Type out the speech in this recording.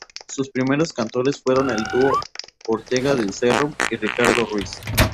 Sus primeros cantores fueron el dúo Ortega del Cerro y Ricardo Ruiz.